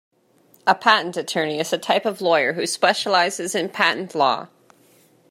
A patent attorney is a type of lawyer who specialises in patent law